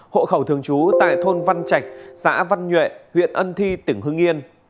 hộ khẩu thường trú tại thôn văn trạch xã văn nhuệ huyện ân thi tỉnh hưng yên